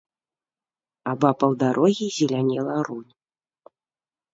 Абапал дарогі зелянела рунь.